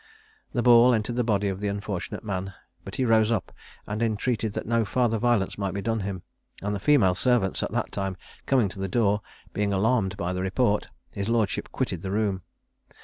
The ball entered the body of the unfortunate man; but he rose up, and entreated that no farther violence might be done him; and the female servants at that time coming to the door, being alarmed by the report, his lordship quitted the room.